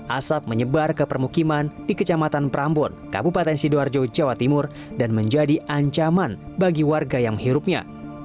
asap menyebar ke permukiman di kecamatan prambon kabupaten sidoarjo jawa timur dan menjadi ancaman bagi warga yang hirupnya